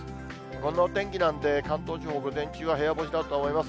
この天気なんで、関東地方、午前中は部屋干しだと思います。